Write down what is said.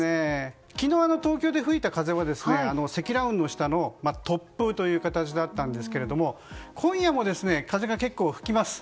昨日、東京で吹いた風は積乱雲の下の突風という形だったんですが今夜も風が結構吹きます。